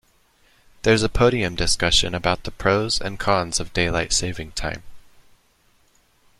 There's a podium discussion about the pros and cons of daylight saving time.